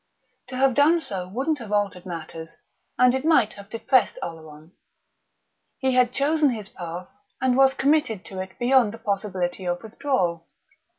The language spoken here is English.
To have done so wouldn't have altered matters, and it might have depressed Oleron. He had chosen his path, and was committed to it beyond possibility of withdrawal.